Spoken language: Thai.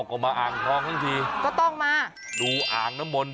อ่างน้ำมน